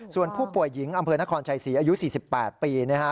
ส่วนผู้ป่วยหญิงอำเภอนครชัยศรีอายุ๔๘ปี